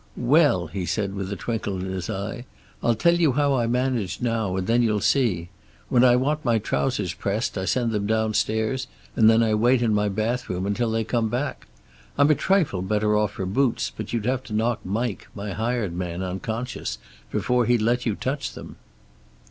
"Well," he said, with a twinkle in his eye. "I'll tell you how I manage now, and then you'll see. When I want my trousers pressed I send them downstairs and then I wait in my bathrobe until they come back. I'm a trifle better off for boots, but you'd have to knock Mike, my hired man, unconscious before he'd let you touch them."